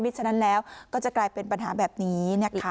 ฉะนั้นแล้วก็จะกลายเป็นปัญหาแบบนี้นะคะ